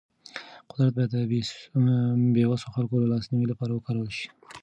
قدرت باید د بې وسو خلکو د لاسنیوي لپاره وکارول شي.